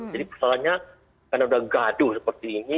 jadi soalnya karena sudah gaduh seperti ini